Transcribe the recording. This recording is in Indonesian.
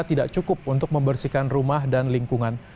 tidak cukup untuk membersihkan rumah dan lingkungan